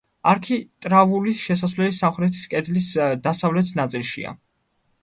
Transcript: არქიტრავული შესასვლელი სამხრეთის კედლის დასავლეთ ნაწილშია.